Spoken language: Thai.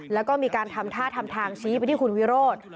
แล้วก็มีการทำท่าทำทางชี้ไปที่คุณวิโรธ